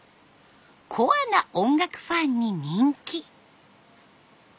コアな音楽ファンに人気。